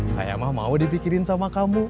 saya mah mau dipikirin sama kamu